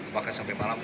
bahkan sampai malam